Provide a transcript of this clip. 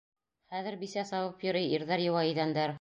Хәҙер бисә сабып йөрөй, ирҙәр йыуа иҙәндәр.